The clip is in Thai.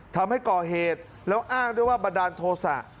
ทำให้ก่อเหตุแล้วอ้างด้วยว่าบันดาลโทษะ